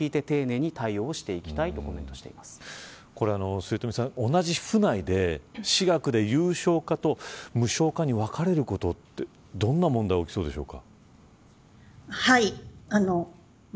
末冨さん、同じ府内で私学で有償化と無償化に分かれることでどんな問題が起きそうでしょうか。